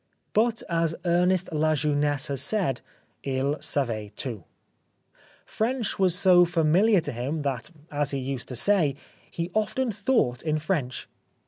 But as Ernest La Jeunesse has said : "II savait tout." French was so familiar to him that, as he used to say, " he often thought in French."